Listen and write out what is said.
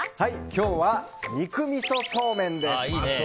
今日は、肉みそそうめんです。